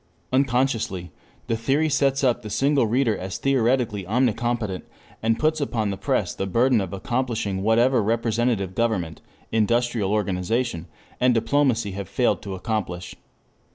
Unconsciously the theory sets up the single reader as theoretically omnicompetent, and puts upon the press the burden of accomplishing whatever representative government, industrial organization, and diplomacy have failed to accomplish.